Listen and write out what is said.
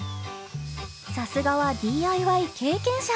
［さすがはＤＩＹ経験者］